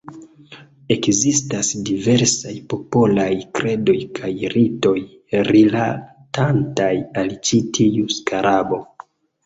Ekzistas diversaj popolaj kredoj kaj ritoj, rilatantaj al ĉi tiu skarabo.